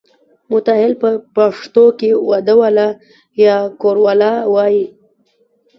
متاهل په پښتو کې واده والا یا کوروالا وایي.